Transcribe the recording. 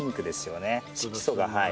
色素がはい。